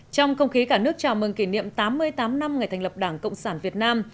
trong không khí cả nước chào mừng kỷ niệm tám mươi tám năm ngày thành lập đảng cộng sản việt nam